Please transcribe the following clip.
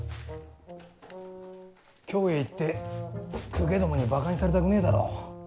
京へ行って公家どもにばかにされたくねえだろ。